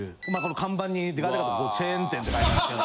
看板にでかでかと「チェーン店」って書いてますけど。